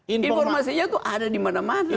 informasinya itu ada di mana mana